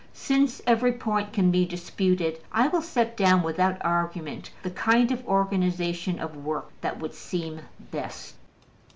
Since every point can be disputed, I will set down without argument the kind of organization of work that would seem best.